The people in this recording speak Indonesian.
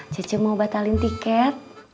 cece mau batalin tiket